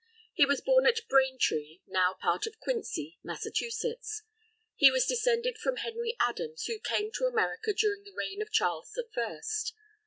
He was born at Braintree now a part of Quincy Massachusetts. He was descended from Henry Adams who came to America during the reign of Charles the First.